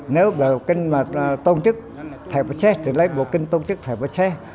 nếu bộ kinh tôn chức thầy phật xét thì lấy bộ kinh tôn chức thầy phật xét